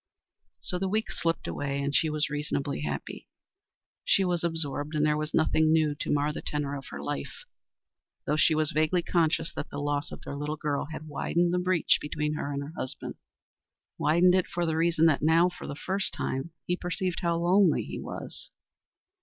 So the weeks slipped away and she was reasonably happy. She was absorbed and there was nothing new to mar the tenor of her life, though she was vaguely conscious that the loss of their little girl had widened the breach between her and her husband widened it for the reason that now, for the first time, he perceived how lonely he was.